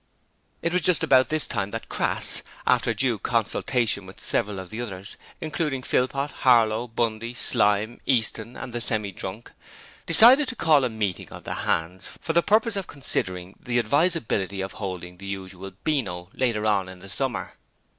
It was just about this time that Crass, after due consultation with several of the others, including Philpot, Harlow, Bundy, Slyme, Easton and the Semi drunk, decided to call a meeting of the hands for the purpose of considering the advisability of holding the usual Beano later on in the summer.